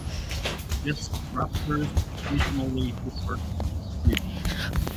Guest rappers occasionally took part in the studio.